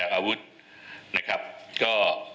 อาวุธนะครับก็